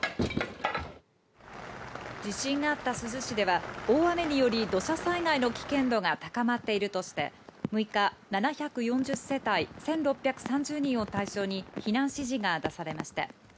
地震があった珠洲市では、大雨により、土砂災害の危険度が高まっているとして、６日、７４０世帯１６３０人を対象に、避難指示が出されました。